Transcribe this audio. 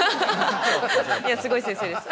いやすごい先生です。